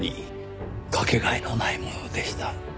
掛け替えのないものでした。